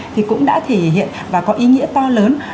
thì cũng đã thể hiện và có ý nghĩa to lớn